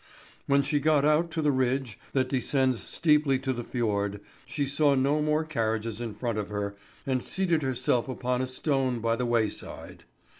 When she got out to the ridge that descends steeply to the fjord, she saw no more carriages in front of her, and seated herself upon a stone by the wayside.